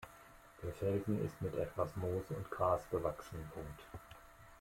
Der Felsen ist mit etwas Moos und Gras bewachsen.